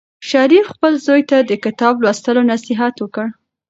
شریف خپل زوی ته د کتاب لوستلو نصیحت وکړ.